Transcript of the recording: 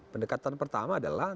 pendekatan pertama adalah